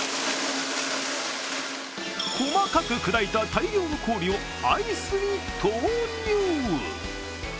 細かく砕いた大量の氷をアイスに投入。